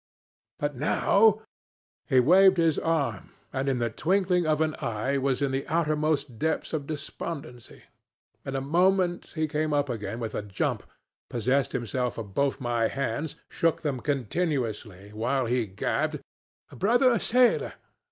'But now ' He waved his arm, and in the twinkling of an eye was in the uttermost depths of despondency. In a moment he came up again with a jump, possessed himself of both my hands, shook them continuously, while he gabbled: 'Brother sailor